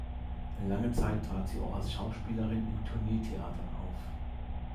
Lange Zeit trat sie auch als Schauspielerin in Tourneetheatern auf.